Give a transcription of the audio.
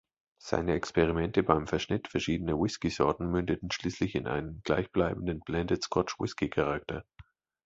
Seine Experimente beim Verschnitt verschiedener Whisky-Sorten mündeten schließlich in einem gleichbleibenden Blended Scotch-Whisky-Charakter.